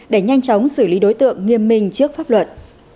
để nhanh chóng xử lý đối tượng nghiêm minh trước pháp luật